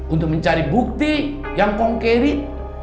untuk mencari bukti yang konkret